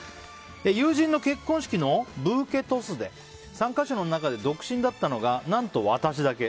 友人の結婚式のブーケトスで参加者の中で独身だったのが何と私だけ。